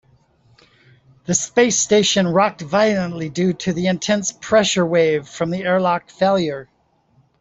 The space station rocked violently due to the intense pressure wave from the airlock failure.